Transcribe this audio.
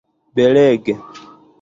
belege